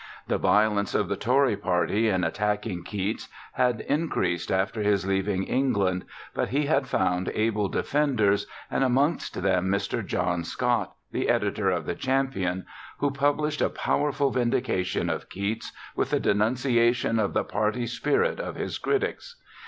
The violence of the Tory party in attacking Keats had increased after his leaving England, but he had found able defenders, and amongst them Mr. John Scott, the editor of the "Champion," who published a powerful vindication of Keats, with a denunciation of the party spirit of his critics.